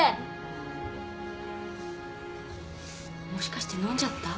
もしかして飲んじゃった？